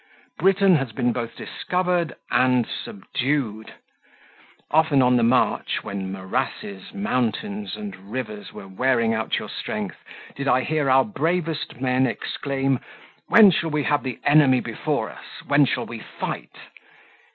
Britain has been both discovered and subdued. Often on the march, when morasses, mountains, and rivers were wearing out your strength, did I hear our bravest men exclaim, 'When shall we have the enemy before us?—when shall we fight?